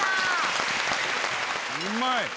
うまい！